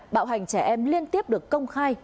bạo hành trẻ em liên tiếp được công khai